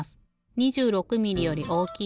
２６ミリより大きい？